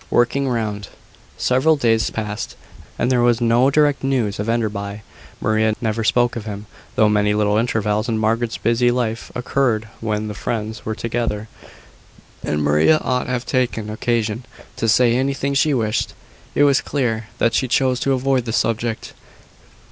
WORKING ROUND. Several days passed, and there was no direct news of Enderby. Maria never spoke of him, though many little intervals in Margaret's busy life occurred when the friends were together, and Maria ought have taken occasion to say anything she wished. It was clear that she chose to avoid the subject.